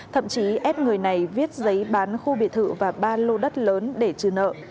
thậm chí ép người này viết giấy bán khu biệt thự và ba lô đất lớn để trừ nợ